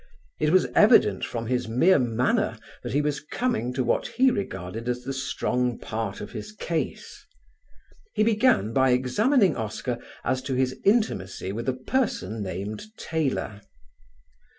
It was evident from his mere manner that he was coming to what he regarded as the strong part of his case. He began by examining Oscar as to his intimacy with a person named Taylor.